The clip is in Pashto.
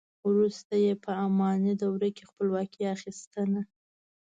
وروسته یې په اماني دوره کې خپلواکي اخیستنه.